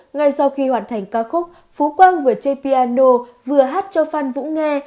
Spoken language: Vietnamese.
ngay sau khi hoàn thành ca khúc phú quang vừa chê piano vừa hát cho phan vũ nghe